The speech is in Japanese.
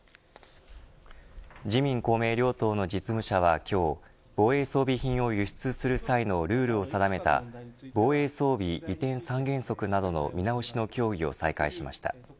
自民・公明両党の実務者は今日防衛装備品を輸出する際のルールを定めた防衛装備移転三原則などの見直しの協議を再開しました。